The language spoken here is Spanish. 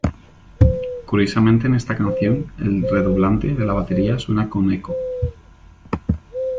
Curiosamente en esta canción el redoblante de la batería suena con eco.